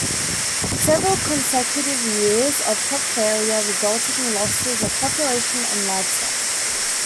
Several consecutive years of crop failure resulted in losses of population and livestock.